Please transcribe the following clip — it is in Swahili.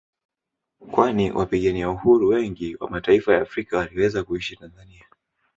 Kwani wapigania uhuru wengi wa mataifa ya Afrika waliweza kuishi Tanzania